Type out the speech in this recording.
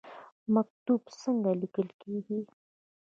مکتوب څنګه لیکل کیږي؟